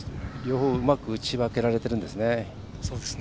両方、うまく打ち分けられてるんですね。